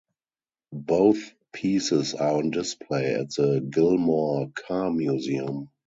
Both pieces are on display at the Gilmore Car Museum.